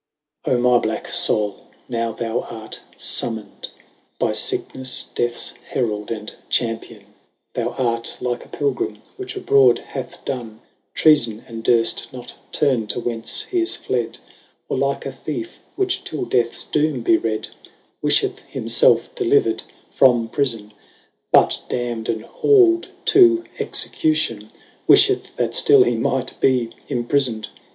OH my blacke Soule ! now thou art fummoned By ficknefle, deaths herald, and champion ; Thou art like a pilgrim, which abroad hath done Treafon, and durft not turne to whence hee is fled, Or like a thiefe, which till deaths doome be read, 5 Wifheth himfelfe delivered from prifon ; But damn'd and hal'd to execution, Wimeth that ftill he might be imprifoned.